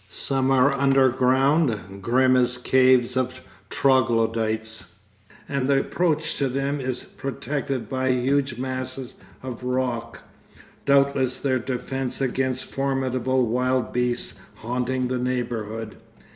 Some are underground, grim as caves of troglodytes, and the approach to them is protected by huge masses of rock, doubtless their defence against formidable wild beasts haunting the neighbourhood.